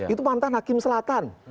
itu mantan hakim selatan